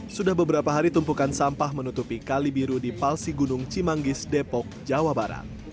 sudah beberapa hari tumpukan sampah menutupi kali biru di palsi gunung cimanggis depok jawa barat